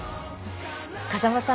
風間さん